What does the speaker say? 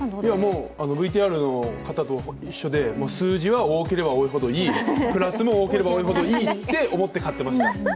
ＶＴＲの方と一緒で数字は多ければ多いほどいい、プラスも多ければ多いほどいいと思って買ってました。